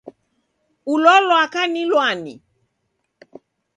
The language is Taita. Ulo lwaka ni lwani?